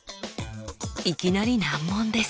いきなり難問です。